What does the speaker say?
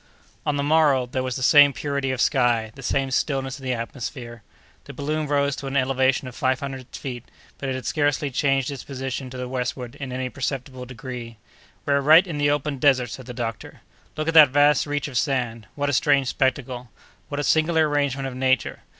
On the morrow, there was the same purity of sky, the same stillness of the atmosphere. The balloon rose to an elevation of five hundred feet, but it had scarcely changed its position to the westward in any perceptible degree. "We are right in the open desert," said the doctor. "Look at that vast reach of sand! What a strange spectacle! What a singular arrangement of nature!